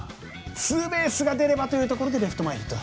ツーベースが出ればというところレフト前ヒット。